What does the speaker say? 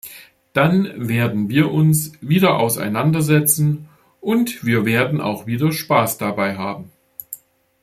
Dann werden wir uns wieder auseinandersetzen, und wir werden auch wieder Spaß dabei haben.